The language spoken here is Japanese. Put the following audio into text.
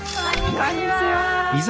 こんにちは。